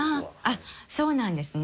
あっそうなんですね。